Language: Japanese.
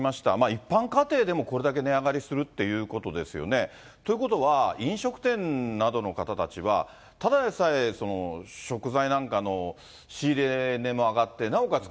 一般家庭でもこれだけ値上がりするということですよね。ということは、飲食店などの方たちは、ただでさえ、食材なんかの仕入れ値も上がって、なおかつ